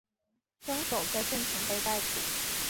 凶手在现场被逮捕。